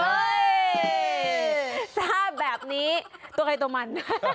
เฮ้ยซ่าแบบนี้ตัวไก่ตัวมัน